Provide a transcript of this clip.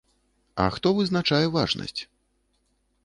А хто вызначае важнасць?